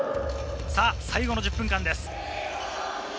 最後の１０分間です。